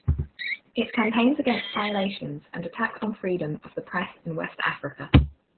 It campaigns against violations and attacks on freedom of the press in West Africa.